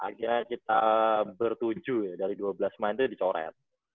akhirnya kita bertujuh ya dari dua belas pemain itu dicoret